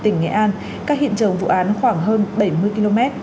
nghệ an các hiện trường vụ án khoảng hơn bảy mươi km